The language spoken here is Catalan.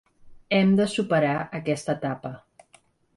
Hem de superar aquesta etapa.